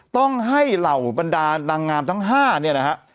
ต้องให้เหล่าบรรดานางงามทั้ง๕เนี่ยนะฮะ